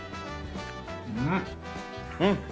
うん！